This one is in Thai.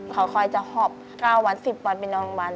เขาก็คอยจะหอบ๙วัน๑๐วันไปนอนอีกวัน